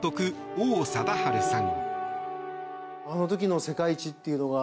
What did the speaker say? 王貞治さん。